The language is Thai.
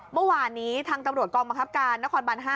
เมื่อวานนี้ทางตำรวจกองบังคับการนครบัน๕